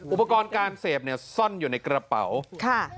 อุปกรณ์การเสพซ่อนอยู่ในกระเป๋า